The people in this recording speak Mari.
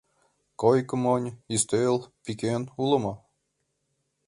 Койко монь, ӱстел, пӱкен уло мо?